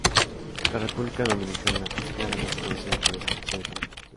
La República Dominicana es claramente conocida por este tipo de turismo.